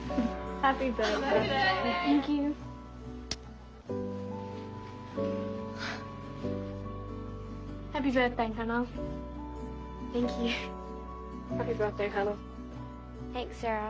ありがとうサラ。